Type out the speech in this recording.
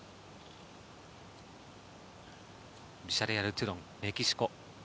ビジャレアル・トゥドン、メキシコ。